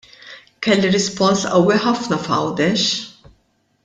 Kelli rispons qawwi ħafna f'Għawdex.